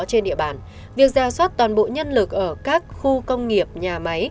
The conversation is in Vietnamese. trên địa bàn việc ra soát toàn bộ nhân lực ở các khu công nghiệp nhà máy